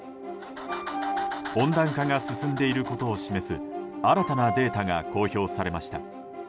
温暖化が進んでいることを示す新たなデータが公表されました。